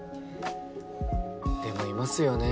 でもいますよね